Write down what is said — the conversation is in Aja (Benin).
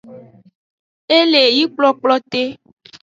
E le yi kplokplote.